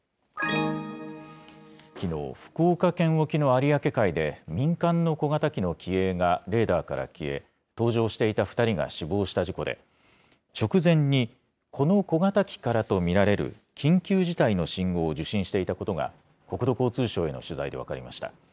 きのう、福岡県沖の有明海で、民間の小型機の機影がレーダーから消え、搭乗していた２人が死亡した事故で、直前に、この小型機からと見られる、緊急事態の信号を受信していたことが国土交通省への取材で分かりました。